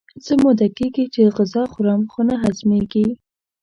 څه موده کېږي چې غذا خورم خو نه هضمېږي.